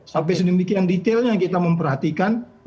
sampai sedemikian detailnya kita memperhatikan